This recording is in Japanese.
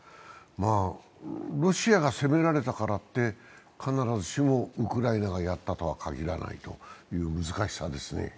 ロシアが攻められたからって必ずしもウクライナがやったとは限らないという難しさですね。